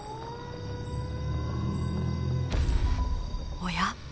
おや？